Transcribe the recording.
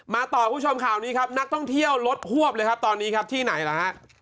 ต่อคุณผู้ชมข่าวนี้ครับนักท่องเที่ยวรถพวบเลยครับตอนนี้ครับที่ไหนล่ะฮะ